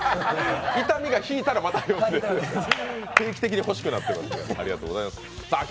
痛みが引いたらまた呼んでって定期的に欲しくなってます。